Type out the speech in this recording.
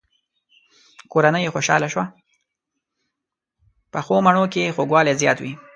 پخو مڼو کې خوږوالی زیات وي